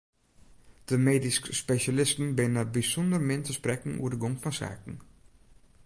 De medysk spesjalisten binne bysûnder min te sprekken oer de gong fan saken.